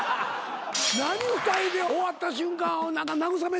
何２人で終わった瞬間慰め。